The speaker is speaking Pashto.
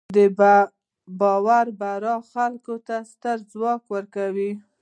د باور بریا خلکو ته ستر ځواک ورکوي.